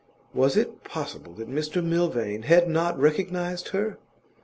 Was it possible that Mr Milvain had not recognised her?